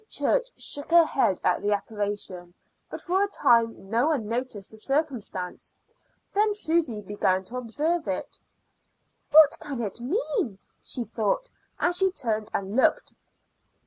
Church shook her head at the apparition, but for a time no one noticed the circumstance. Then Susy began to observe it. "What can it mean?" she thought, and she turned and looked.